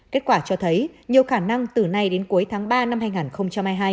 kết quả cho thấy nhiều khả năng từ nay đến cuối tháng ba năm hai nghìn hai mươi hai